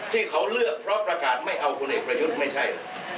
ที่เขาเลือกเพราะประกาศไม่เอาคนเอกประยุทธ์ไม่ใช่